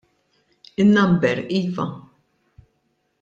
In-number iva.